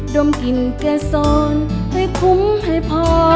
ดมหินแก้ซ้อนให้คุ้มให้พอ